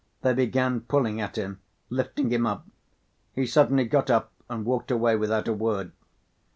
They began pulling at him, lifting him up. He suddenly got up and walked away without a word.